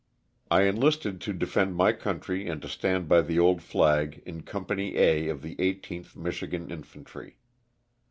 I enlisted to defend my country and to stand by the old ^lag in Company A of the 18th Michigan Infantry.